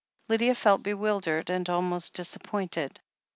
Lydia felt bewildered and almost disappointed.